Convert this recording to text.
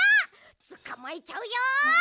つかまえちゃうよ。